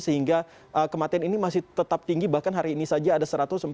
sehingga kematian ini masih tetap tinggi bahkan hari ini saja ada satu ratus empat puluh